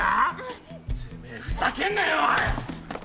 てめえふざけんなよおい！